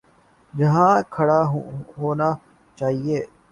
جہاں کھڑا ہونا چاہیے۔